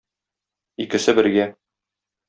Икесе бергә.